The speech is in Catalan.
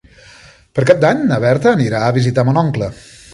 Per Cap d'Any na Berta anirà a visitar mon oncle.